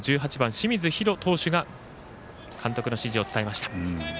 清水陽路投手が監督の指示を伝えました。